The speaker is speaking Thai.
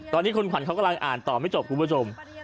ตอนนี้คุณขวัญเขากำลังอ่านต่อไม่จบคุณผู้ชม